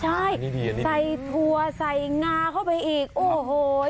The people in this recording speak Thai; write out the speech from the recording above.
ใช่ใส่ถั่วใส่งาเข้าไปอีกโอ้โห